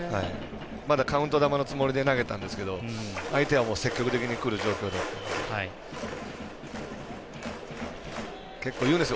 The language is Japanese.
まだカウント球のつもりで投げたんですけど相手は、積極的にくる状況だったので。